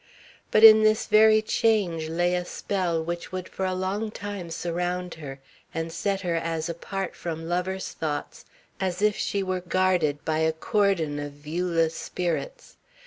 But in this very change lay a spell which would for a long time surround her, and set her as apart from lover's thoughts as if she were guarded by a cordon of viewless spirits.